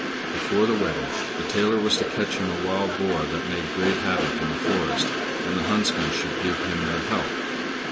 Before the wedding the tailor was to catch him a wild boar that made great havoc in the forest, and the huntsmen should give him their help.